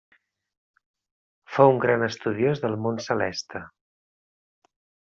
Fou un gran estudiós del món celeste.